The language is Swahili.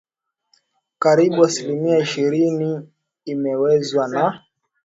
karibu asilimia ishirini imemezwa na